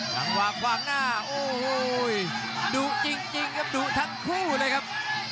จังหวะขวางหน้าโอ้โหดุจริงครับดุทั้งคู่เลยครับ